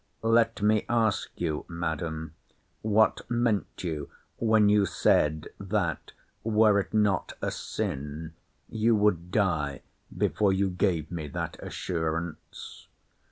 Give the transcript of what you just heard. Let me ask you, Madam, What meant you, when you said, 'that, were it not a sin, you would die before you gave me that assurance?